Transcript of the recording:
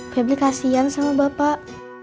pebri kasihan sama bapak